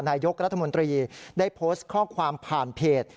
นายกรัฐมนตรีได้โพสต์ข้อความผ่านเพจ